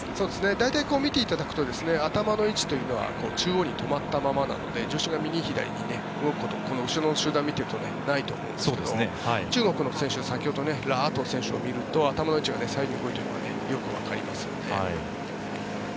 大体、見ていただくと頭の位置というのは中央に止まったまま重心が右左に動くことも、この集団を見てるとないと思うんですが中国の選手は先ほどのラ・アトウ選手を見ると頭の位置が左右に動いているのがよくわかりますよね。